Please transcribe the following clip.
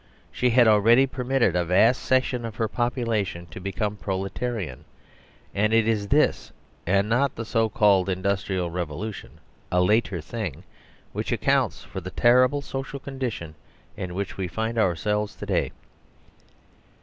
She had already permitted a vast section of her population to become proletarian, and it is this and not the so called " Industrial Revolution," a later thing, which accounts for the terrible social condition in which we find ourselves to day.